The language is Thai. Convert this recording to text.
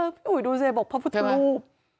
พี่อุ๋ยดูสิบอกพระพุทธรูป